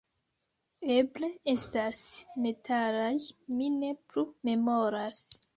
Eble estas metalaj, mi ne plu memoras